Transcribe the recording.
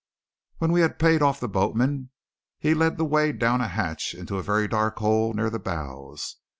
When we had paid off the boatman, he led the way down a hatch into a very dark hole near the bows.